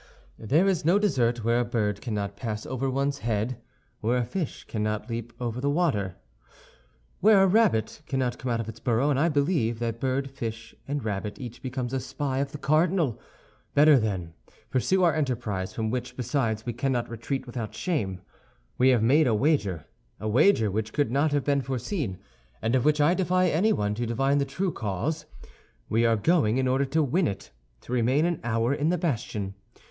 "There is no desert where a bird cannot pass over one's head, where a fish cannot leap out of the water, where a rabbit cannot come out of its burrow, and I believe that bird, fish, and rabbit each becomes a spy of the cardinal. Better, then, pursue our enterprise; from which, besides, we cannot retreat without shame. We have made a wager—a wager which could not have been foreseen, and of which I defy anyone to divine the true cause. We are going, in order to win it, to remain an hour in the bastion.